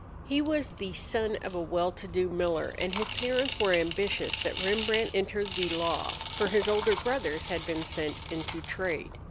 He was the son of a well to do miller, and his parents were ambitious that Rembrandt enter the law, for his older brothers had been sent into trade.